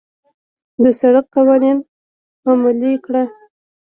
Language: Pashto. د سړک قوانين عملي کړه.